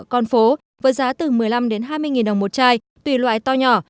con phố với giá từ một mươi năm hai mươi đồng một chai tùy loại to nhỏ